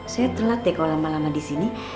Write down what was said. saya terlatih kalau lama lama disini